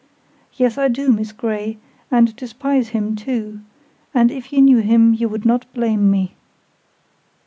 "Yes, I do, Miss Grey, and despise him too; and if you knew him you would not blame me."